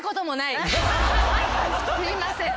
すいません。